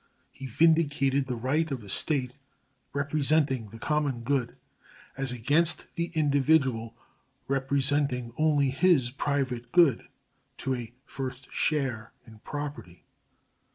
He vindicated the right of the State, representing the common good, as against the individual, representing only his private good, to a first share in property.